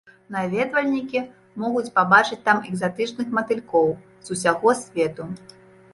Наведвальнікі могуць пабачыць там экзатычных матылькоў з усяго свету.